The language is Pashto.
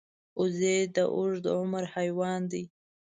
وزې د اوږد عمر حیوان دی